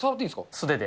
素手で。